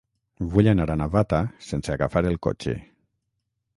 Vull anar a Navata sense agafar el cotxe.